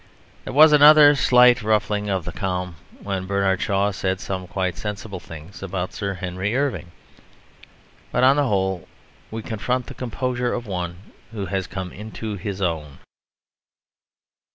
There was another slight ruffling of the calm when Bernard Shaw said some quite sensible things about Sir Henry Irving. But on the whole we confront the composure of one who has come into his own.